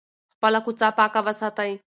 خپله کوڅه پاکه وساتئ.